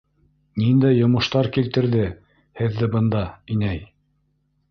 - Ниндәй йомоштар килтерҙе һеҙҙе бында, инәй?